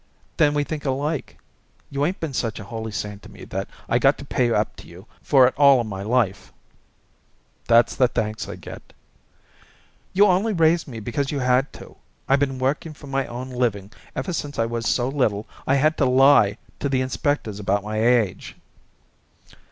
"Then we think alike." "You 'ain't been such a holy saint to me that I got to pay up to you for it all my life." "That's the thanks I get." "You only raised me because you had to. I been working for my own living ever since I was so little I had to He to the inspectors about my age."